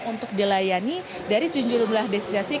untuk dilayani dari sejumlah destinasi